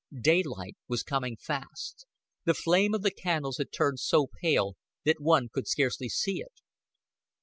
Daylight was coming fast; the flame of the candles had turned so pale that one could scarcely see it.